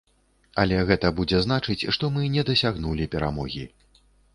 Але гэта будзе значыць, што мы не дасягнулі перамогі.